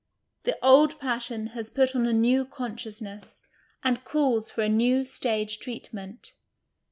The old passion has put on a new consciousness, and calls for a new stage treat ment.